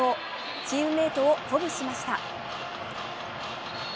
チームメートを鼓舞しました。